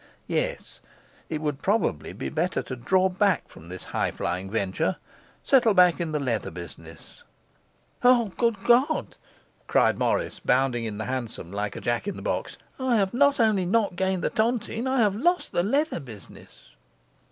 Yes, it would probably be better to draw back from this high flying venture, settle back on the leather business 'Great God!' cried Morris, bounding in the hansom like a Jack in a box. 'I have not only not gained the tontine I have lost the leather business!